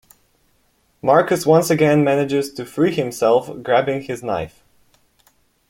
Marcus once again manages to free himself, grabbing his knife.